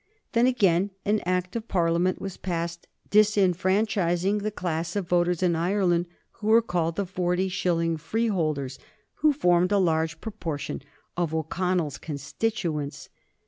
Then, again, an Act of Parliament was passed disfranchising the class of voters in Ireland who were called the Forty shilling Freeholders, who formed a large proportion of O'Connell's constituents.